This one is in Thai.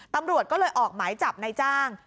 ตำรวจก็เลยออกหมายจับในจ้าง